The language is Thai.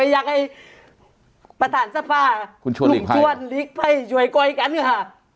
อยากให้ผัรฐานสภาพทุกส่วนลิกภัยช่วยก้อยกันค่ะ